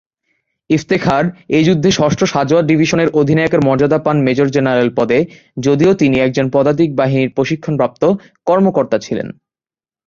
ইফতেখার এই যুদ্ধে ষষ্ঠ সাঁজোয়া ডিভিশনের অধিনায়কের মর্যাদা পান মেজর-জেনারেল পদে যদিও তিনি একজন পদাতিক বাহিনীর প্রশিক্ষণপ্রাপ্ত কর্মকর্তা ছিলেন।